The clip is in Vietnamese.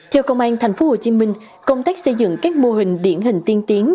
theo công an tp hcm công tác xây dựng các mô hình điển hình tiên tiến